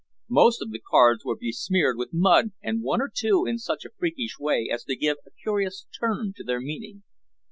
Most of the cards were besmeared with mud and one or two in such a freakish way as to give a curious turn to their meaning.